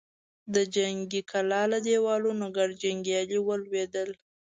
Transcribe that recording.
د جنګي کلا له دېوالونو ګڼ جنګيالي ولوېدل.